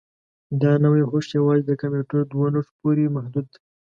دا نوي هوښ یوازې د کمپیوټر دوو نښو پورې محدود دی.